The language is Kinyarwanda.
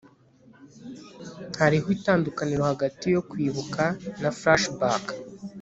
hariho itandukaniro hagati yo kwibuka na flashback